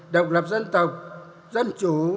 độc lập dân tộc dân chủ